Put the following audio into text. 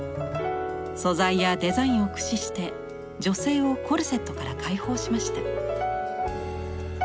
素材やデザインを駆使して女性をコルセットから解放しました。